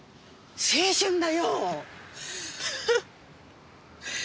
青春だよ！